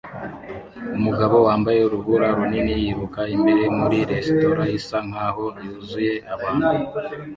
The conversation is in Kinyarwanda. Umugabo wambaye urubura runini yiruka imbere muri resitora isa nkaho yuzuye abantu